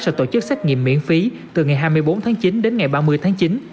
sẽ tổ chức xét nghiệm miễn phí từ ngày hai mươi bốn tháng chín đến ngày ba mươi tháng chín